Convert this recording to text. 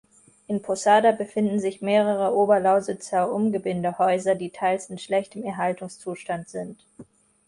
In Posada befinden sich mehrere oberlausitzer Umgebindehäuser, die teils in schlechtem Erhaltungszustand sind.